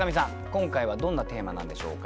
今回はどんなテーマなんでしょうか？